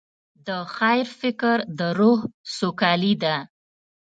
د خیر فکر د روح سوکالي ده.